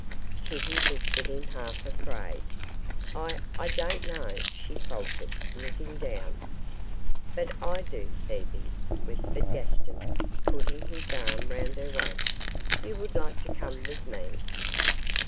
Kitty looked at him half afraid. 'I I don't know,' she faltered, looking down. 'But I do, Bebe,' whispered Gaston, putting his arm round her waist; 'you would like to come with me.